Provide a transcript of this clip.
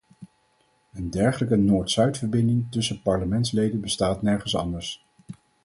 Een dergelijke noord-zuidverbinding tussen parlementsleden bestaat nergens anders.